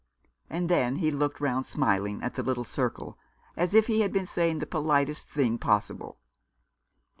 And then he looked round, smiling at the little circle, as if he had been saying the politest thing possible.